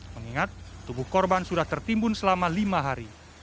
mengingat tubuh korban sudah tertimbun selama lima hari